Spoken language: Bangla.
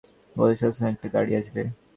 গলির শেষপ্রান্তে একটা গাড়ি আসবে।